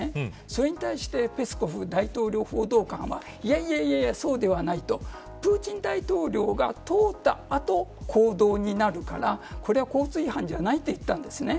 それに対してペスコフ大統領府報道官はいやいやいや、そうではないとプーチン大統領が通った後公道になるから、これは交通違反じゃないと言ったんです。